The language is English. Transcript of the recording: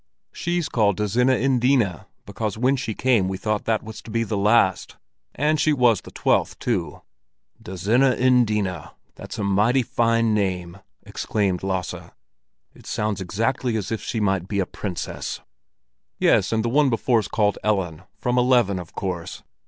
"She's called Dozena Endina, because when she came we thought that was to be the last; and she was the twelfth too." "Dozena Endina! That's a mighty fine name!" exclaimed Lasse. "It sounds exactly as if she might be a princess." "Yes, and the one before's called Ellen—from eleven, of course.